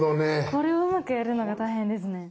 これをうまくやるのが大変ですね。